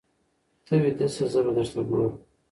ته ویده شه زه به درته ګورم.